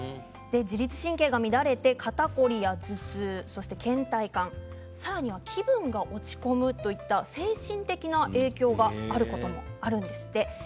自律神経が乱れて肩凝りや頭痛、けん怠感さらには気分が落ち込むといった精神的な影響があることもあるんですって。